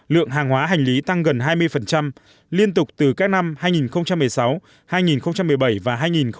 lượng hàng hóa hành lý tăng gần hai mươi liên tục từ các năm hai nghìn một mươi sáu hai nghìn một mươi bảy và hai nghìn một mươi tám